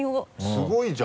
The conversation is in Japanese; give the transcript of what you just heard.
すごいじゃん。